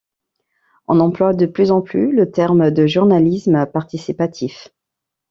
On emploie de plus en plus le terme de journalisme participatif.